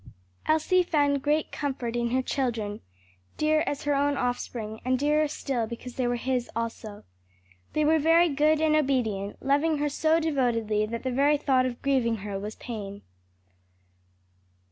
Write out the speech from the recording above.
Elsie found great comfort in her children dear as her own offspring, and dearer still because they were his also. They were very good and obedient, loving her so devotedly that the very thought of grieving her was pain.